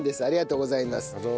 ありがとうございます。